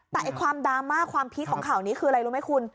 แต่ความดราม่าความพีคของข่าวนี้คืออะไรรู้ไหมคุณ